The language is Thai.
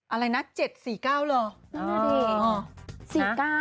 อะไรนะเจ็ดสี่เก้าเหรอ